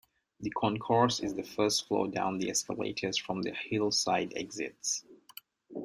The concourse is the first floor down the escalators from the hillside exits.